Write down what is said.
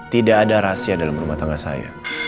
tidak ada rahasia dalam rumah tangga saya